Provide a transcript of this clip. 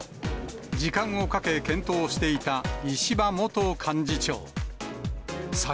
時間をかけ検討していた石破元幹事長。